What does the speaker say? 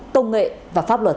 công nghệ và pháp luật